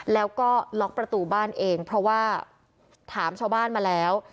แล้วก็ล็อกประตูบ้านเองเพราะว่าถามชาวบ้านมาแล้ว